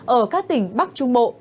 ở các tỉnh bắc trung bộ